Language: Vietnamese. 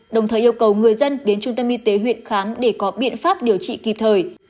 đồng thời yêu cầu người dân đến trung tâm y tế huyện khám để có biện pháp điều trị kịp thời